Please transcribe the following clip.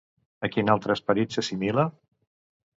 A quin altre esperit s'assimila?